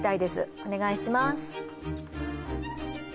お願いします